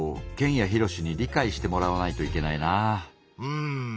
うん。